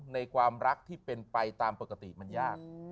ความรักที่เป็นไปตามปกติมันยาก